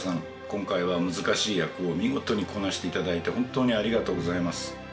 今回は難しい役を見事にこなしていただいて本当にありがとうございます。